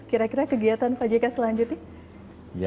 kira kira kegiatan pak jk selanjutnya